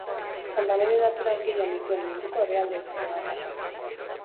Hondamendi natural gehien dituen munduko herrialdeetako bat da.